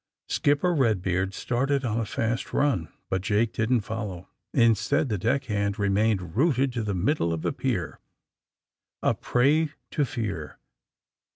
Skipper Eedbeard started on a fast run, but Jake didn't follow. Instead, the deck hand re mained rooted to the middle of the pier, a prey to fear.